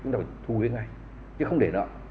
chúng ta phải thuế ngay chứ không để nợ